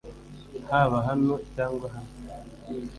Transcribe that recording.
haba hano cyangwa hano